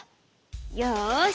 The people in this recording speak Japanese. よし！